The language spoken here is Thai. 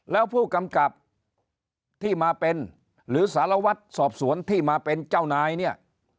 แล้วผู้กำกับที่มาเป็นหรือสารวัตรสอบสวนที่มาเป็นเจ้านายเนี่ย